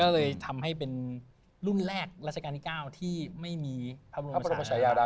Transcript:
ก็เลยทำให้เป็นรุ่นแรกราชการที่๙ที่ไม่มีพระบรมชายาดา